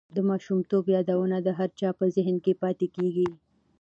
د ماشومتوب یادونه د هر چا په زهن کې پاتې کېږي.